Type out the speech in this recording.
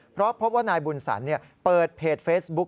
เพราะพบว่านายบุญสันเปิดเพจเฟซบุ๊ค